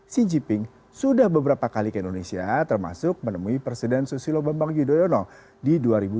xi jinping sudah beberapa kali ke indonesia termasuk menemui presiden susilo bambang yudhoyono di dua ribu dua puluh